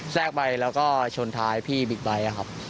แทรกไปแล้วก็ชนท้ายพี่บิ๊กไบท์ครับ